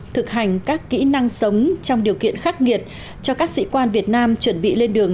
thực hành các kỹ năng sống trong điều kiện khắc nghiệt cho các sĩ quan việt nam chuẩn bị lên đường